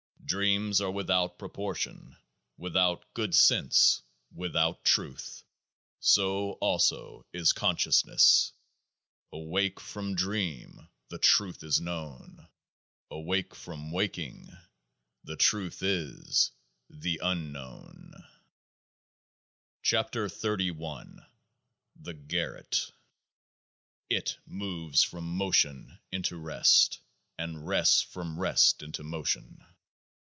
Dreams are without proportion, without good sense, without truth ; so also is conscious ness. Awake from dream, the truth is known : 16 awake from waking, the Truth is — The Unknown. 40 KEOAAH AA THE GAROTTE IT moves from motion into rest, and rests from rest into motion.